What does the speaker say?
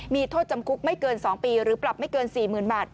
มีโทษจำคุกไม่เกิน๒ปีหรือปรับไม่เกิน๔๐๐๐บาท